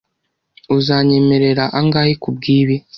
Uzanyemerera angahe kubwibi?